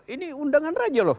ini undangan raja loh